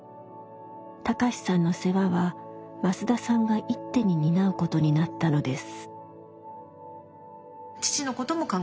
貴志さんの世話は増田さんが一手に担うことになったのです。